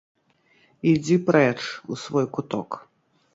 Ідзі прэч, у свой куток!